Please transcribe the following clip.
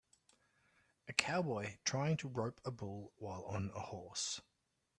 A cowboy trying to rope a bull while on a horse